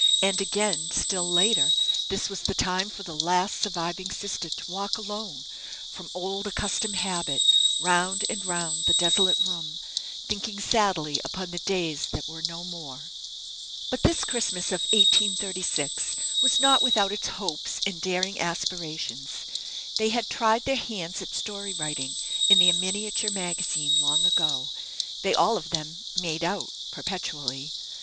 And again, still later, this was the time for the last surviving sister to walk alone, from old accustomed habit, round and round the desolate room, thinking sadly upon the "days that were no more." But this Christmas of 1836 was not without its hopes and daring aspirations. They had tried their hands at story writing, in their miniature magazine, long ago; they all of them "made out" perpetually.